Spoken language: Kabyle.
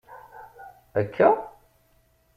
Akka?